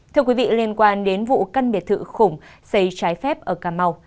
thưa quý vị liên quan đến vụ căn biệt thự khủng xây trái phép ở cà mau